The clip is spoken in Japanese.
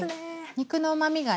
肉のうまみがね